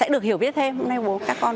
được hiểu biết thêm hôm nay bố các con